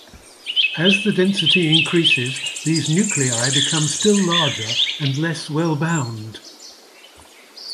As the density increases, these nuclei become still larger and less well-bound.